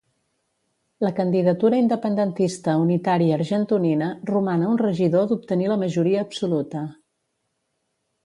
La candidatura independentista unitària argentonina roman a un regidor d'obtenir la majoria absoluta.